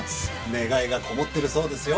願いがこもってるそうですよ。